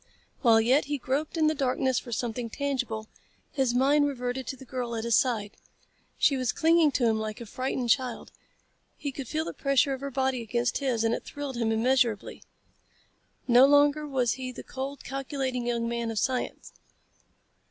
While yet he groped in the darkness for something tangible, his mind reverted to the girl at his side. She was clinging to him like a frightened child. He could feel the pressure of her body against his and it thrilled him immeasurably. No longer was he the cold, calculating young man of science.